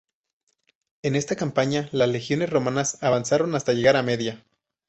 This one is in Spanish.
En esta campaña las legiones romanas avanzaron hasta llegar a Media.